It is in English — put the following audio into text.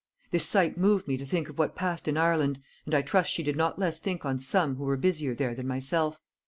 This sight moved me to think of what passed in Ireland, and I trust she did not less think on some who were busier there than myself.